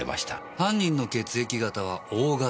犯人の血液型はＯ型。